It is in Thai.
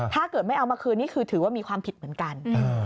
ถ้าเกิดไม่เอามาคืนนี่คือถือว่ามีความผิดเหมือนกัน